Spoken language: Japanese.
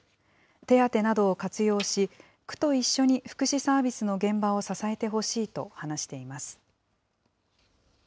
手当などを活用し、区と一緒に福祉サービスの現場を支えてほしいと話しています。